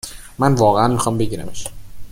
من واقعا میخوام بگیرمش